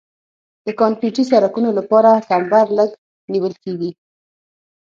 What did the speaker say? د کانکریټي سرکونو لپاره کمبر لږ نیول کیږي